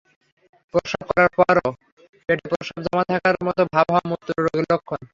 প্রস্রাব করার পরও পেটে প্রস্রাব জমা থাকার মতো ভাব হওয়া মূত্ররোগের লক্ষণ।